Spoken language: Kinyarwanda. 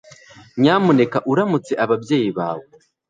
nyamuneka uramutse ababyeyi bawe